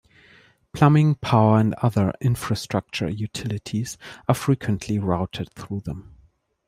Plumbing, power, and other infrastructure utilities are frequently routed through them.